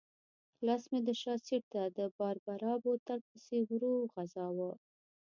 لاس مې د شا سېټ ته د باربرا بوتل پسې ورو غځاوه.